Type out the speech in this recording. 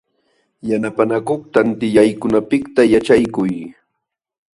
Payta manañaq limapayta munaañachu.